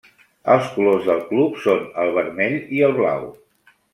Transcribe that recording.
Els colors del club són el vermell i el blau.